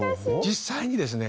実際にですね